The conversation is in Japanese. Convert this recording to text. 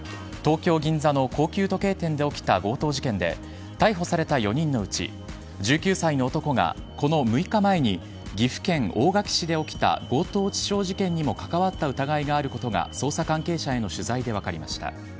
東京・銀座の高級時計店で起きた強盗事件で逮捕された４人のうち１９歳の男が、この６日前に岐阜県大垣市で起きた強盗致傷事件にも関わった疑いがあることが捜査関係者への取材で分かりました。